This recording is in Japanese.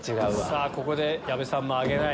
ここで矢部さんも挙げない。